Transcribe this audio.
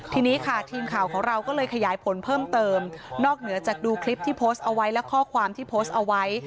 ทีนี้ค่ะทีมข่าวของเราก็เลยขยายผลเพิ่มเติมนอกเหนือจากดูคลิปที่โพสต์เอาไว้และข้อความที่โพสต์เอาไว้